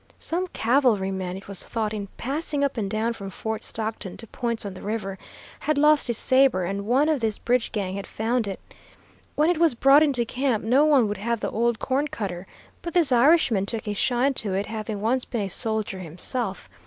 "Some cavalryman, it was thought, in passing up and down from Fort Stockton to points on the river, had lost his sabre, and one of this bridge gang had found it. When it was brought into camp no one would have the old corn cutter; but this Irishman took a shine to it, having once been a soldier himself.